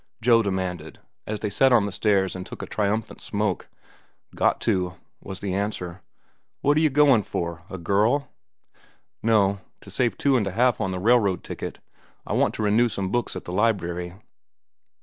Joe demanded, as they sat on the stairs and took a triumphant smoke. "Got to," was the answer. "What are you goin' for?—a girl?" "No; to save two and a half on the railroad ticket. I want to renew some books at the library."